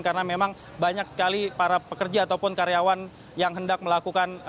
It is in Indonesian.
karena memang banyak sekali para pekerja ataupun karyawan yang hendak melakukan